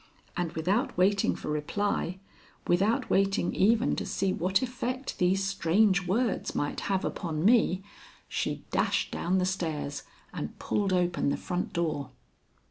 And without waiting for reply, without waiting even to see what effect these strange words might have upon me, she dashed down the stairs and pulled open the front door.